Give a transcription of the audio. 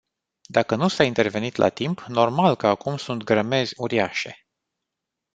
Dacă nu s-a intervenit la timp, normal că acum sunt grămezi uriașe.